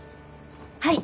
はい。